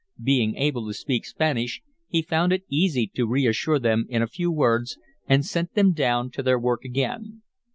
Being able to speak Spanish, he found it easy to reassure them in a few words, and sent them down to their work again.